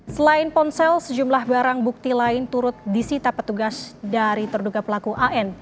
selain ponsel sejumlah barang bukti lain turut disita petugas dari terduga pelaku an